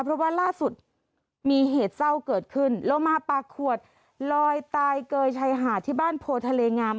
เพราะว่าล่าสุดมีเหตุเศร้าเกิดขึ้นโลมาปากขวดลอยตายเกยชายหาดที่บ้านโพทะเลงาม